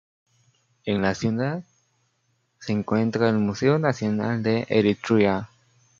En la ciudad se encuentra el Museo Nacional de Eritrea.